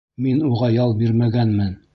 Мин уға ял бирмәгәнмен.